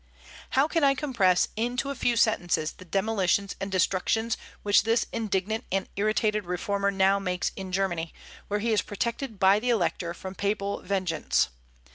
How can I compress into a few sentences the demolitions and destructions which this indignant and irritated reformer now makes in Germany, where he is protected by the Elector from Papal vengeance?